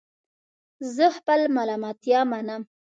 زه خپل ملامتیا منم